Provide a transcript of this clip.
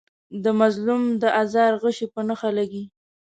د مظلوم د آزار غشی په نښه لګي.